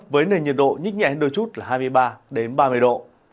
với nền nhiệt độ nhích nhẹ đôi chút là hai mươi ba ba mươi độ